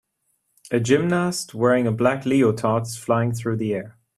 A gymnast wearing a black leotard is flying through the air.